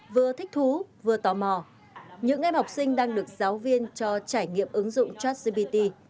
vừa thích thú vừa tò mò những em học sinh đang được giáo viên cho trải nghiệm ứng dụng chat gpt